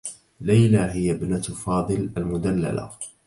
ليلى هي ابنة فاضل المدلّلة.